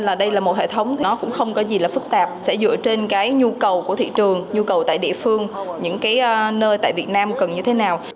là đây là một hệ thống nó cũng không có gì là phức tạp sẽ dựa trên cái nhu cầu của thị trường nhu cầu tại địa phương những cái nơi tại việt nam cần như thế nào